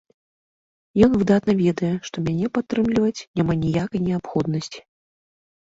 Ён выдатна ведае, што мяне падтрымліваць няма ніякай неабходнасці.